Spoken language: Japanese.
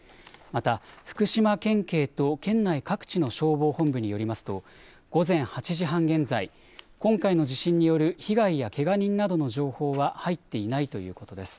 また、福島県警と県内各地の消防本部によりますと午前８時半現在、今回の地震による被害やけが人などの情報は入っていないということです。